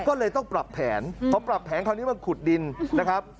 ก็เลยต้องปรับแผนพอปรับแผนคราวนี้มาขุดดินนะครับ